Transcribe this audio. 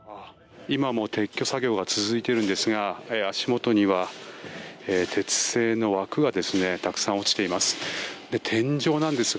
今も撤去作業が続いているんですが足元には鉄製の枠がたくさん落ちています。